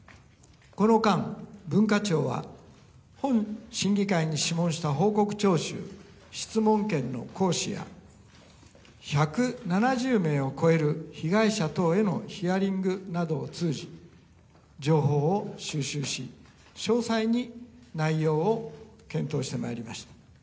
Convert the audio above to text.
この間、文化庁は本審議会に諮問した質問権の行使や１７０名を超える被害者等へのヒアリングなどを通じ、情報を収集し詳細に内容を検討してまいりました。